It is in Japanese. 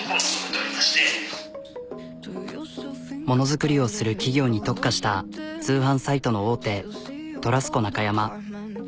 ものづくりをする企業に特化した通販サイトの大手トラスコ中山。